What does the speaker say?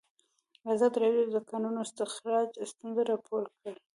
ازادي راډیو د د کانونو استخراج ستونزې راپور کړي.